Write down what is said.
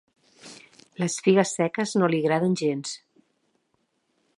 Les figues seques no li agraden gens.